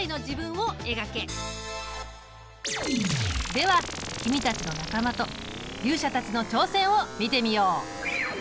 では君たちの仲間と勇者たちの挑戦を見てみよう！